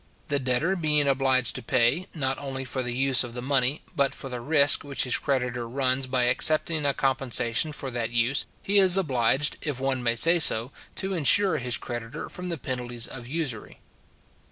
The debtor being obliged to pay, not only for the use of the money, but for the risk which his creditor runs by accepting a compensation for that use, he is obliged, if one may say so, to insure his creditor from the penalties of usury.